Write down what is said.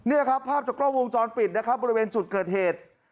นี่ครับภาพจากกล้องวงจรปิดนะครับบริเวณจุดเกิดเหตุ